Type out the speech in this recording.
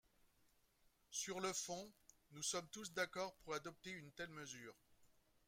Sur le fond, nous sommes tous d’accord pour adopter une telle mesure.